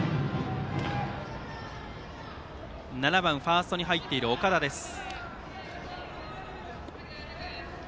７番ファーストに入っている岡田です。